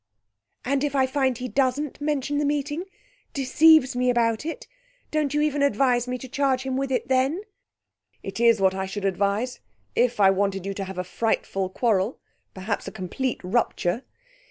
"And if I find he doesn't mention the meeting, deceives me about it, don't you even advise me to charge him with it then?" "It is what I should advise, if I wanted you to have a frightful quarrel perhaps a complete rupture.